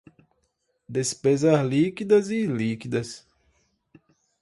Despesas líquidas e ilíquidas